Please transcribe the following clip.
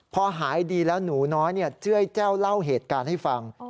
พอหายดีแล้วหนูน้อยเจื้อยแจ้วเล่าเหตุการณ์ให้ฟัง